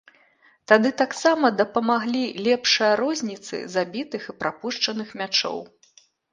Тады таксама дапамаглі лепшая розніцы забітых і прапушчаных мячоў.